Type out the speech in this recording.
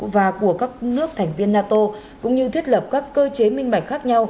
và của các nước thành viên nato cũng như thiết lập các cơ chế minh bạch khác nhau